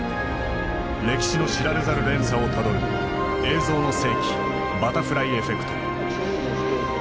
歴史の知られざる連鎖をたどる「映像の世紀バタフライエフェクト」。